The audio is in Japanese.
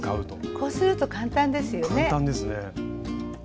こうすると簡単ですよね。